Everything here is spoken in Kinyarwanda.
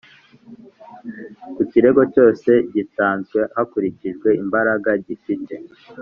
Ku kirego cyose gitanzwe hakurikijwe imbaraga gifite